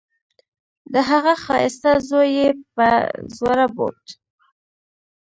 د هغه ښايسته زوى يې په زوره بوت.